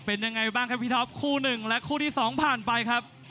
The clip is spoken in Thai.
เป็นยังไงบ้างครับพี่ท็อปคู่หนึ่งและคู่ที่๒ผ่านไปครับ